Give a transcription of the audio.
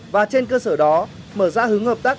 và trên cơ sở đó mở ra hướng hợp tác